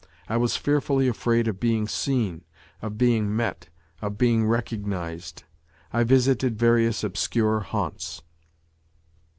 I was fearfully afraid of being seen, of being met, of being recognized. I visited various obscure haunts.